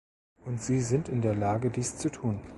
Und sie sind in der Lage, dies zu tun.